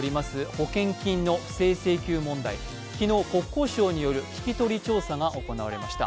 保険金の不正請求問題、昨日、国交省による聞き取り調査が行われました。